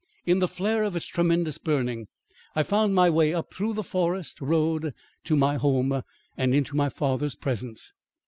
In the flare of its tremendous burning I found my way up through the forest road to my home and into my father's presence.